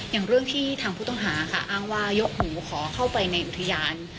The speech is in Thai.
อย่างเรื่องที่ทางผู้ต้องหาค่ะอ้างว่ายกหูขอเข้าไปในอุทยาน